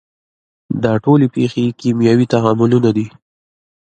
دا ټولې پیښې کیمیاوي تعاملونه دي.